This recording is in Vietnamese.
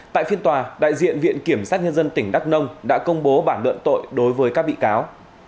tại phiên tòa đại diện viện kiểm sát nhân dân tỉnh đắk nông đã công bố bản luận tội đối với các bị cáo